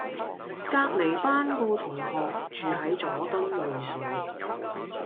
隔離班個同學住喺佐敦匯萃